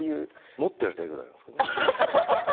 もっとやりたいくらいなんですけれどもね。